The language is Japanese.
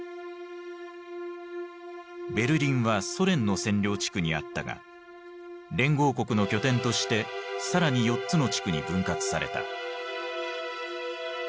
ベルリンはソ連の占領地区にあったが連合国の拠点として更に４つの地区に分割された。